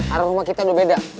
arah rumah kita udah beda